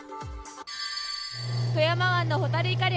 富山湾のホタルイカ漁